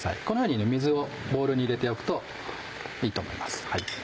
このように水をボウルに入れておくといいと思います。